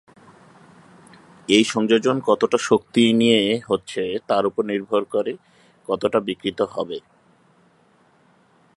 এই সংযোজন কতটা শক্তি নিয়ে হচ্ছে তার ওপর নির্ভর করে কতটা বিকৃতি হবে।